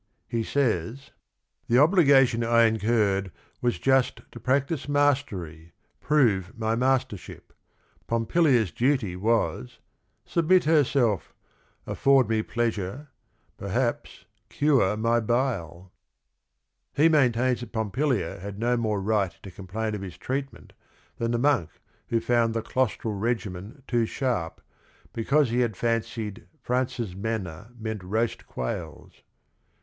He says: COUNT GUIDO FRANCESCHINI 61 ."The obligation I incurred was just To practice mastery, prove my mastership :— Pompilia's duty was — submit herself, Afford me pleasure, perhaps cure my bile." He maintains that Pompilia had no more right to complain of his treatment than the monk who found the "claustral regimen too sharp" because he had "fancied Francis' manna meant roast quails."